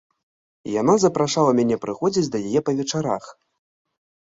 Яна запрашала мяне прыходзіць да яе па вечарах.